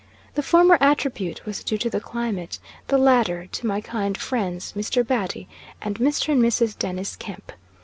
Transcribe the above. The former attribute was due to the climate, the latter to my kind friends, Mr. Batty, and Mr. and Mrs. Dennis Kemp.